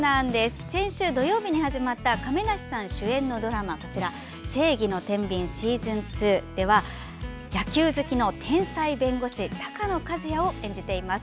先週土曜日に始まった亀梨さん主演のドラマ「正義の天秤Ｓｅａｓｏｎ２」では野球好きの天才弁護士鷹野和也を演じています。